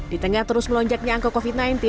di tengah terus melonjaknya angka covid sembilan belas